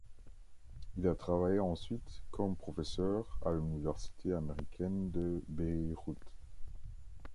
Il a travaillé ensuite comme professeur à l'université américaine de Beyrouth.